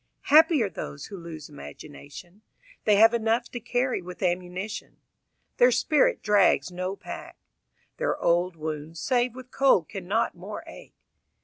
III Happy are these who lose imagination: They have enough to carry with ammunition. Their spirit drags no pack. Their old wounds save with cold can not more ache.